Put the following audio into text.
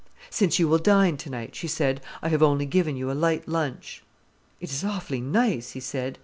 "Since you will dine tonight," she said, "I have only given you a light lunch." "It is awfully nice," he said.